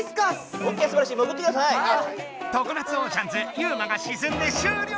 常夏オーシャンズユウマがしずんで終了！